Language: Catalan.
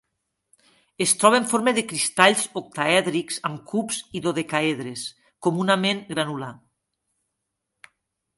Es troba en forma de cristalls octaèdrics amb cubs i dodecaedres; comunament granular.